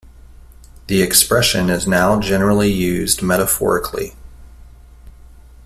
The expression is now generally used metaphorically.